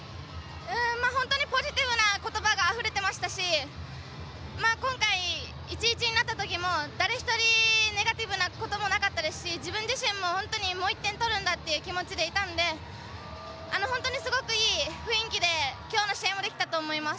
本当にポジティブな言葉があふれてましたし今回、１−１になったときも誰一人、ネガティブな言葉はなかったですし自分自身も、本当にもう１点取るんだという気持ちでいたんで本当にすごくいい雰囲気で今日の試合もできたと思います。